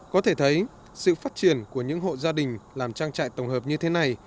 có thể thấy sự phát triển của những hộ gia đình làm trang trại tổng hợp như thế này